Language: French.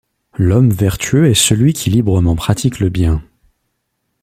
L’homme vertueux est celui qui librement pratique le bien.